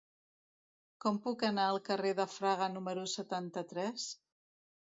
Com puc anar al carrer de Fraga número setanta-tres?